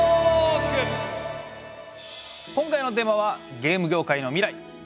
今回のテーマは「ゲーム業界の未来」。